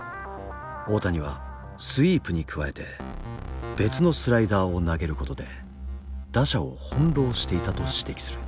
大谷はスイープに加えて別のスライダーを投げることで打者を翻弄していたと指摘する。